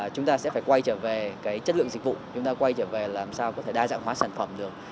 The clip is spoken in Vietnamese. chúng ta sẽ phải quay trở về cái chất lượng dịch vụ chúng ta quay trở về làm sao có thể đa dạng hóa sản phẩm được